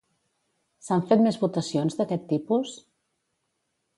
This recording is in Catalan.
S'han fet més votacions d'aquest tipus?